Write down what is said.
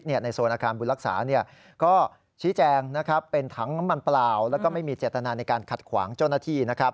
เช่นที่โฆษณาการบูรรณรักษาชี้แจงเป็นทั้งมันเปล่าไม่มีเจตนาในการขาดขวางหนุ่นน่าที่